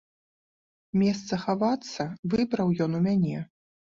Месца хавацца выбраў ён у мяне.